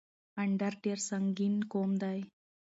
اندړ ډير سنګين قوم دی